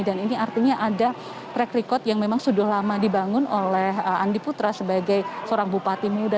dan ini artinya ada track record yang memang sudah lama dibangun oleh andi putra sebagai seorang bupati muda